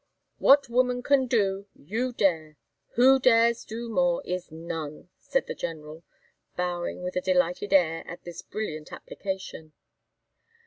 "What woman can do, you dare; who dares do more, is none!" said the General, bowing with a delighted air at this brilliant application.